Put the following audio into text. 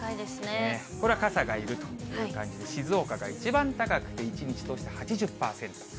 これは傘がいるという感じで、静岡が一番高くて、一日通して８０％。